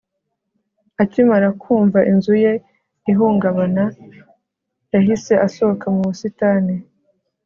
akimara kumva inzu ye ihungabana, yahise asohoka mu busitani